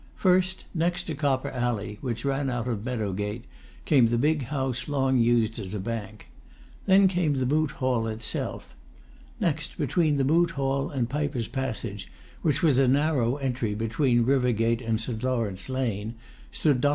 First, next to Copper Alley, which ran out of Meadow Gate, came the big house long used as a bank. Then came the Moot Hall itself. Next, between the Moot Hall and Piper's Passage, which was a narrow entry between River Gate and St. Lawrence Lane, stood Dr. Wellesley's house.